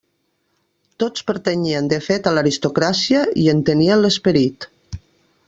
Tots pertanyien de fet a l'aristocràcia, i en tenien l'esperit.